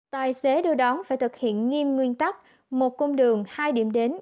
tài xế đưa đón phải thực hiện nghiêm nguyên tắc một cung đường hai điểm đến